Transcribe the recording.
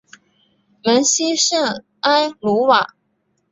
蒙希圣埃卢瓦。